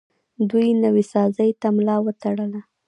دوی نوسازۍ ته ملا وتړله